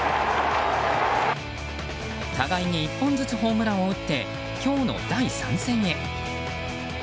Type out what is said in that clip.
互いに１本ずつホームランを打って今日の第３戦へ。